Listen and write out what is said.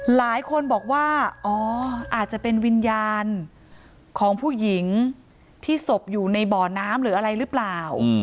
หลายคนบอกว่าอ๋ออาจจะเป็นวิญญาณของผู้หญิงที่ศพอยู่ในบ่อน้ำหรืออะไรหรือเปล่า